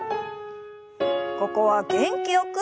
ここは元気よく。